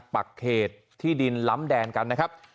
ปักเขตที่ดินล้ำแดนกันนะครับ